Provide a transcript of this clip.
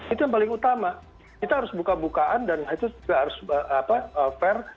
itu yang paling utama kita harus buka bukaan dan itu juga harus fair